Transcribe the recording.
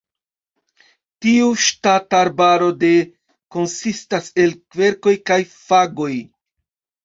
Tiu ŝtata arbaro de konsistas el kverkoj kaj fagoj.